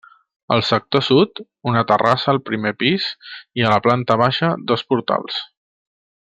Al sector Sud una terrassa al primer pis i a la planta baixa dos portals.